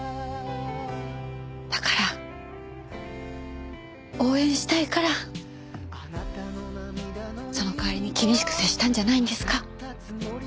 だから応援したいからその代わりに厳しく接したんじゃないんですか？